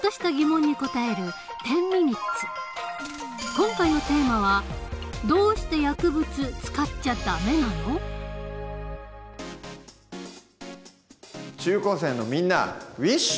今回のテーマは中高生のみんなウィッシュ！